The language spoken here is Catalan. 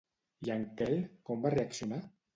I en Quel com va reaccionar?